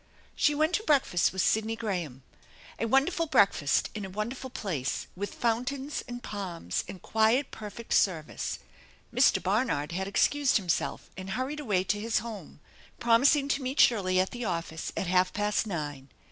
She went to breakfast with Sidney Graham, a wonderful THE ENCHANTED BARN breakfast in a wonderful place with fountains and palms and quiet, perfect service. Mr. Barnard had excused himself and hurried away to his home, promising to meet Shirley at the office at half past nine.